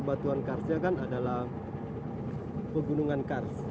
batuan karstnya kan adalah pegunungan karst